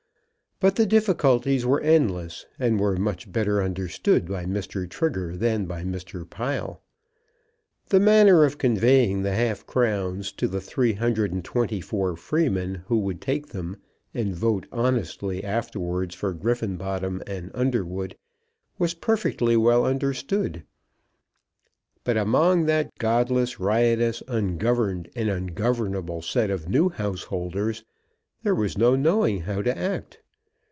But the difficulties were endless, and were much better understood by Mr. Trigger than by Mr. Pile. The manner of conveying the half crowns to the three hundred and twenty four freemen, who would take them and vote honestly afterwards for Griffenbottom and Underwood, was perfectly well understood. But among that godless, riotous, ungoverned and ungovernable set of new householders, there was no knowing how to act.